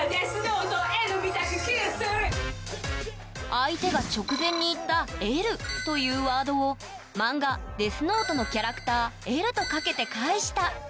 相手が直前に言った「エル」というワードを漫画「ＤＥＡＴＨＮＯＴＥ」のキャラクター「Ｌ」と掛けて返した。